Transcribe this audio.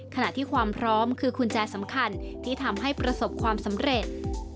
ขณะที่ความพร้อมคือกุญแจสำคัญที่ทำให้ประสบความสำเร็จ